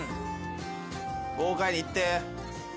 豪快にいって。